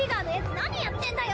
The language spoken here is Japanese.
何やってんだよ！